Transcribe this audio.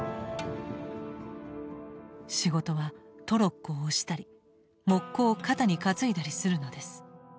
「仕事はトロッコを押したりモッコを肩に担いだりするのです。